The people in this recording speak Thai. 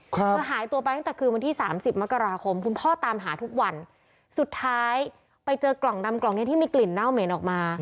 เธอหายตัวไปตั้งแต่คืนวันที่สามสิบมกราคมคุณพ่อตามหาทุกวันสุดท้ายไปเจอกล่องดำกล่องนี้ที่มีกลิ่นเน่าเหม็นออกมา